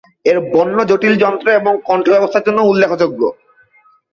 এর বন্য জটিল যন্ত্র এবং কণ্ঠ ব্যবস্থার জন্য উল্লেখযোগ্য।